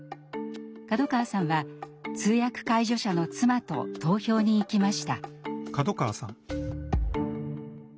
門川さんは通訳・介助者の妻と投票に行きました。